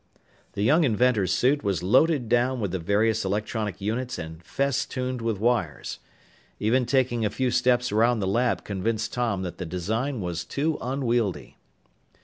The young inventor's suit was loaded down with the various electronic units and festooned with wires. Even taking a few steps around the lab convinced Tom that the design was too unwieldy.